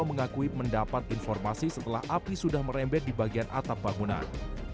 mengakui mendapat informasi setelah api sudah merembet di bagian atap bangunan